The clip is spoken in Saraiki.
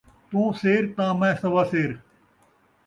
توں سیر تاں میں سوا سیر